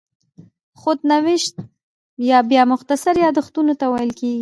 خود نوشت بیا مختصر یادښتونو ته ویل کېږي.